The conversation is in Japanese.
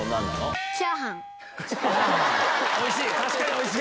おいしい！